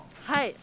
はい。